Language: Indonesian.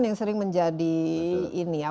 yang sering menjadi ini ya